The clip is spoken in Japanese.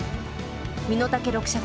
身の丈六尺。